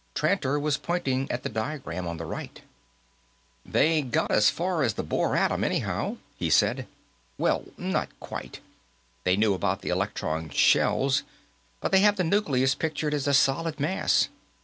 Tranter was pointing at the diagram on the right. "They got as far as the Bohr atom, anyhow," he said. "Well, not quite. They knew about electron shells, but they have the nucleus pictured as a solid mass.